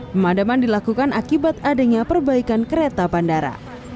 pemadaman dilakukan akibat adanya perbaikan kereta bandara